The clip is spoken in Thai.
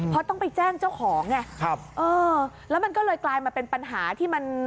เพราะต้องไปแจ้งเจ้าของไงครับเออแล้วมันก็เลยกลายมาเป็นปัญหาที่มัน